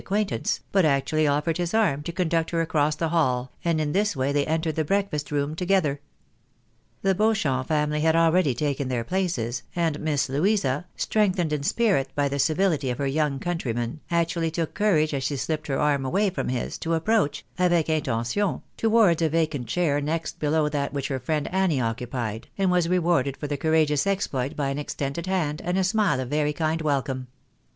Ill acquaintance, but actually offered liis arm to conduct her across the hall, and in this way they entered the breakfast rqpm together. The Beauchamp family had already taken their places, and Miss Louisa, strengthened in spirit by the civihty of her young country man, actually took courage, as she slipped her arm away from his, to approach, avec intention, towards a vacant chair next below that which her friend Annie occupied, and was rewarded for the courageous exploit by an extended hand, and a smile of very kind welcome.